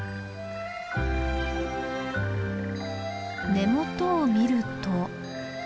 根元を見ると。